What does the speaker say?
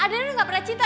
adriana gak pernah cinta